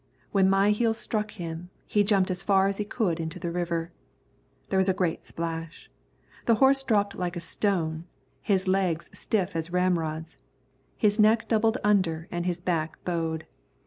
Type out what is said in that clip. When my heels struck him, he jumped as far as he could out into the river. There was a great splash. The horse dropped like a stone, his legs stiff as ramrods, his neck doubled under and his back bowed.